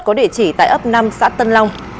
có địa chỉ tại ấp năm xã tân long